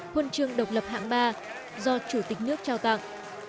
huân chương độc lập hạng ba do chủ tịch nước trao tặng